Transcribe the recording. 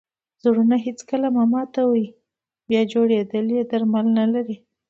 زړونه هېڅکله مه ماتوئ! بیا جوړېدل ئې درمل نه لري.